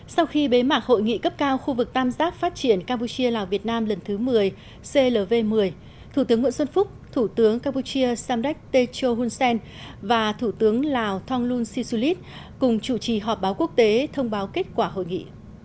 sau khi bế mạc hội nghị cấp cao khu vực tam giác phát triển campuchia lào việt nam lần thứ một mươi clv một mươi thủ tướng nguyễn xuân phúc thủ tướng campuchia samdek techo hun sen và thủ tướng lào thonglun sisulit cùng chủ trì họp báo quốc tế thông báo kết quả hội nghị